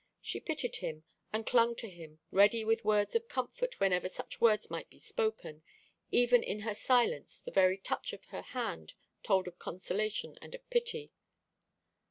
She pitied him, and clung to him, ready with words of comfort whenever such words might be spoken. Even in her silence the very touch of her hand told of consolation and of pity.